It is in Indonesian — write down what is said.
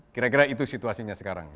kira kira itu situasinya sekarang